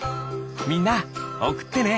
みんなおくってね！